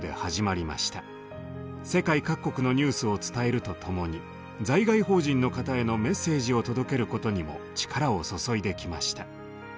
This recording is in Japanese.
世界各国のニュースを伝えると共に在外邦人の方へのメッセージを届けることにも力を注いできました。